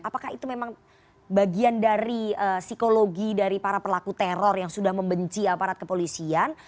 apakah itu memang bagian dari psikologi dari para pelaku teror yang sudah membenci aparat kepolisian